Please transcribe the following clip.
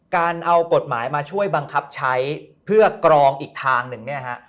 การเอากฎหมายมาช่วยบังคับใช้เพื่อกรองอีกทางหนึ่งเนี่ยฮะ